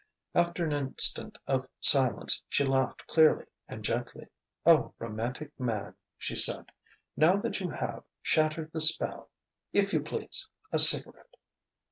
After an instant of silence she laughed clearly and gently. "O romantic man!" she said. "Now that you have, shattered the spell if you please, a cigarette."